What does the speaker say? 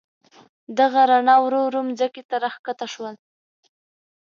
دغه رڼا ورو ورو مځکې ته راکښته شول.